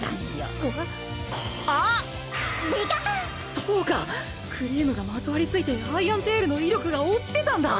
そうかクリームがまとわりついてアイアンテールの威力が落ちてたんだ。